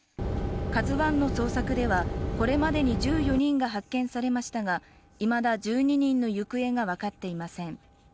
「ＫＡＺＵⅠ」の捜索ではこれまでに１４人が発見されましたが、いまだ１２人の行方が分かっていません。